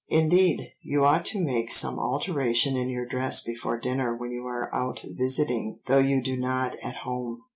"'Indeed, you ought to make some alteration in your dress before dinner when you are out visiting, though you do not at home.